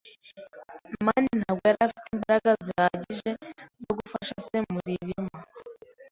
amani ntabwo yari afite imbaraga zihagije zo gufasha se muririma.